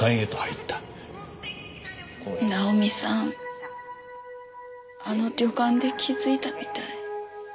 ナオミさんあの旅館で気づいたみたい。